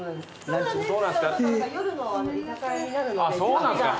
そうなんですよ